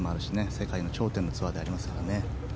世界の頂点のツアーでありますからね。